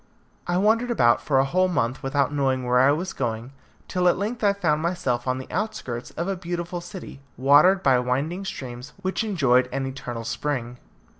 I wandered about for a whole month without knowing where I was going, till at length I found myself on the outskirts of a beautiful city, watered by winding streams, which enjoyed an eternal spring.